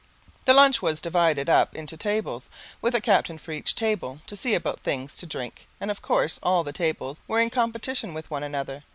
The lunch was divided up into tables, with a captain for each table to see about things to drink, and of course all the tables were in competition with one another.